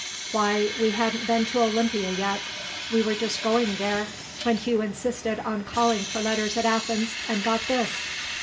Why, we hadn't been to Olympia yet. We were just going there when Hugh insisted on calling for letters at Athens and got this.